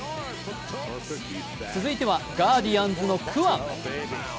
続いてはガーディアンズのクワン。